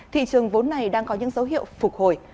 thị trường vốn này đang có những dấu hiệu phục hồi